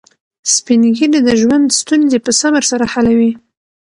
سپین ږیری د ژوند ستونزې په صبر سره حلوي